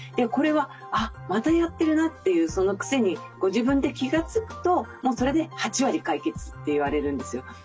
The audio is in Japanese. これはあっまたやってるなっていうそのクセにご自分で気がつくともうそれで８割解決って言われるんですよ。